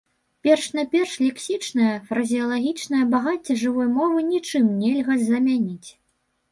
Перш-наперш лексічнае, фразеалагічнае багацце жывой мовы нічым нельга замяніць.